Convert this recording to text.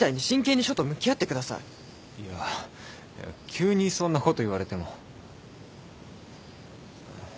いや急にそんなこと言われても。